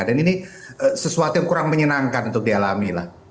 dan ini sesuatu yang kurang menyenangkan untuk dialami lah